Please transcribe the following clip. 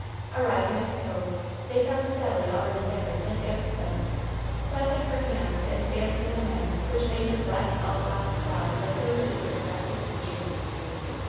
Arrived at the cove, they found Sally already there in advance of them, clapping her hands and dancing in a manner which made her black elf locks fly like those of a distracted creature.